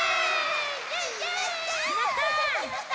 やった！